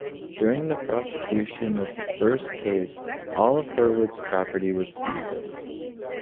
During the prosecution of the first case, all of Hurwitz's property was seized.